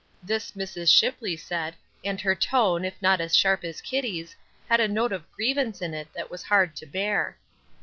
This Mrs. Shipley said, and her tone, if not as sharp as Kitty's, had a note of grievance in it that was hard to bear.